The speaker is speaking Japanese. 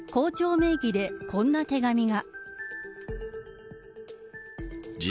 名義でこんな手紙が。